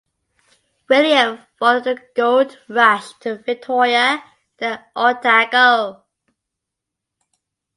William followed the gold rush to Victoria and then Otago.